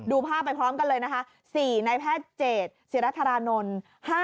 ภาพไปพร้อมกันเลยนะคะ๔นายแพทย์เจตศิรธารานนท์